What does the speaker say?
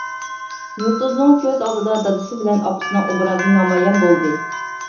يۇلتۇزنىڭ كۆز ئالدىدا دادىسى بىلەن ئاپىسىنىڭ ئوبرازى نامايان بولدى.